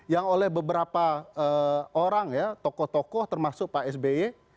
yang oleh beberapa orang ya tokoh tokoh termasuk pak sby